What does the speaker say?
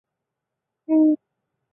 竟陵八友之一。